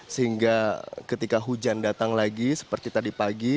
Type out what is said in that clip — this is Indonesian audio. sehingga ketika hujan datang lagi seperti tadi pagi